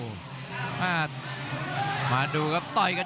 กรรมการเตือนทั้งคู่ครับ๖๖กิโลกรัม